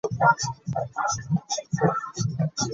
Okimanyi nti sinaba kufuna kiffo ku somero lino.